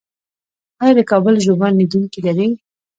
آیا د کابل ژوبڼ لیدونکي لري؟